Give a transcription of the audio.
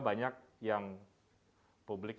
banyak yang publik